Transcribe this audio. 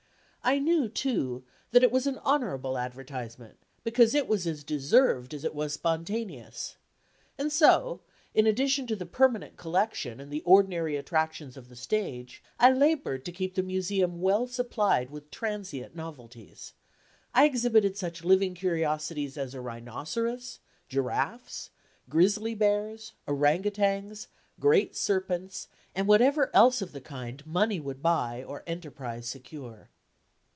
I knew, too, that it was an honorable advertisement, because it was as deserved as it was spontaneous. And so, in addition to the permanent collection and the ordinary attractions of the stage, I labored to keep the Museum well supplied with transient novelties; I exhibited such living curiosities as a rhinoceros, giraffes, grizzly bears, ourang outangs, great serpents, and whatever else of the kind money would buy or enterprise secure.